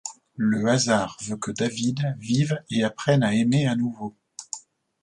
Le hasard veut que David vive et apprenne à aimer à nouveau.